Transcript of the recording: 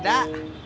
ada es pengkutu nya